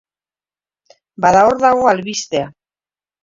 Bada hor dago albistea.